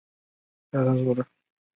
元至元十五年复称延平府南平县。